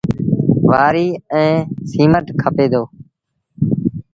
وآريٚ ائيٚݩ سيٚمٽ با کپي دو۔